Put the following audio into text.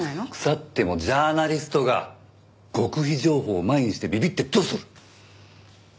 腐ってもジャーナリストが極秘情報を前にしてビビってどうする！